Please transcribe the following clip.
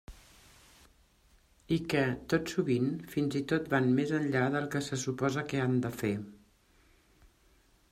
I que, tot sovint, fins i tot van més enllà del que se suposa que han de fer.